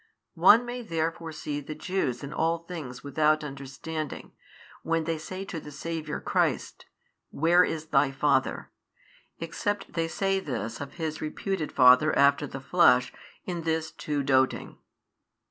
One may therefore see the Jews in all things without understanding, when they say to the Saviour Christ, Where is Thy Father? except they say this of His reputed father after the flesh, in this too doting.